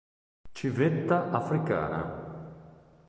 Civetta africana